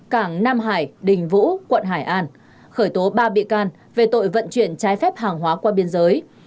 cảng nam hải đình vũ quận hải an khởi tố ba bị can về tội vận chuyển trái phép hàng hóa qua biên giới